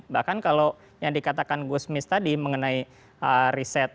bahkan kalau yang dikatakan gus mis tadi mengenai riset